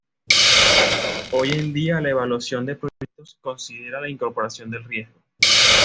Hoy en día la evaluación de proyectos considera la incorporación del riesgo.